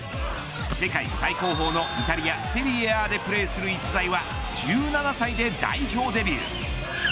世界最高峰のイタリアセリエＡでプレーする逸材は１７歳で代表デビュー。